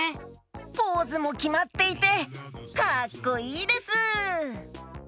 ポーズもきまっていてかっこいいです！